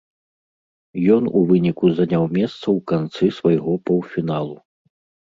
Ён у выніку заняў месца ў канцы свайго паўфіналу.